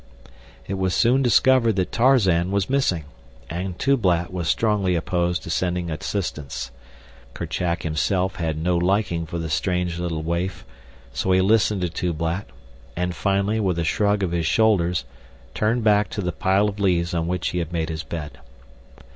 It was soon discovered that Tarzan was missing, and Tublat was strongly opposed to sending assistance. Kerchak himself had no liking for the strange little waif, so he listened to Tublat, and, finally, with a shrug of his shoulders, turned back to the pile of leaves on which he had made his bed.